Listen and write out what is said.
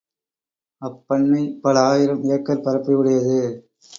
அப்பண்ணை பல ஆயிரம் ஏக்கர் பரப்பை உடையது.